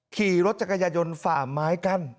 ขี่รถจังหญะยนต์ฝ่ามไม้กั้น